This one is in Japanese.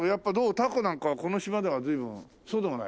たこなんかはこの島では随分そうでもない？